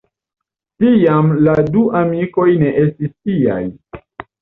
Tiam la du amikoj ne estis tiaj.